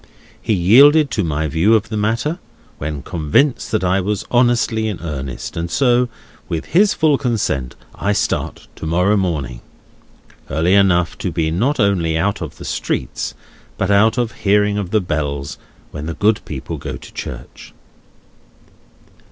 He yielded to my view of the matter, when convinced that I was honestly in earnest; and so, with his full consent, I start to morrow morning. Early enough to be not only out of the streets, but out of hearing of the bells, when the good people go to church."